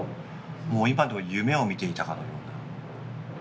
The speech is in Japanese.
もう今でも夢を見ていたかのような。